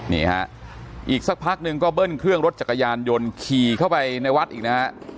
นี่ฮะอีกสักพักหนึ่งก็เบิ้ลเครื่องรถจักรยานยนต์ขี่เข้าไปในวัดอีกนะฮะ